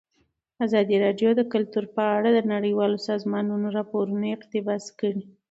ازادي راډیو د کلتور په اړه د نړیوالو سازمانونو راپورونه اقتباس کړي.